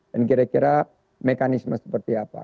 dan kira kira mekanisme seperti apa